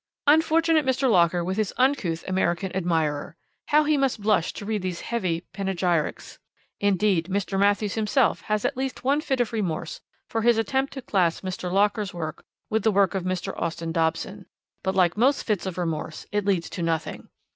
Unfortunate Mr. Locker with his uncouth American admirer! How he must blush to read these heavy panegyrics! Indeed, Mr. Matthews himself has at least one fit of remorse for his attempt to class Mr. Locker's work with the work of Mr. Austin Dobson, but like most fits of remorse it leads to nothing.